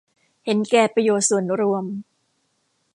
เห็นแก่ประโยชน์ส่วนรวม